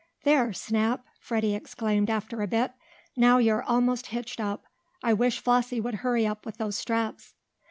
"There, Snap!" Freddie exclaimed, after a bit. "Now you're almost hitched up. I wish Flossie would hurry up with those straps."